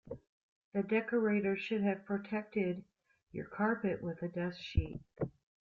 The decorator should have protected your carpet with a dust sheet